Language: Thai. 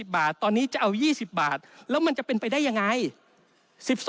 บาทตอนนี้จะเอา๒๐บาทแล้วมันจะเป็นไปได้ยังไง